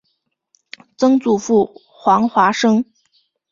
曾祖父黄华生。